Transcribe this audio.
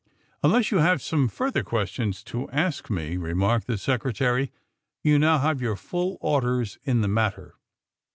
^^ Unless you have some further questions to ask me," remarked the Secretary, *^you now have your full orders in the matter.